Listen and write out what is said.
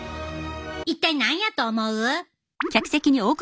一体何やと思う？